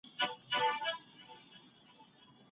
اوږده پاڼه د ډاکټره لخوا ړنګیږي.